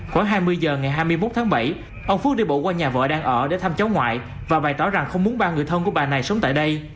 khoảng hai mươi h ngày hai mươi một tháng bảy ông phước đi bộ qua nhà vợ đang ở để thăm cháu ngoại và bày tỏ rằng không muốn ba người thân của bà này sống tại đây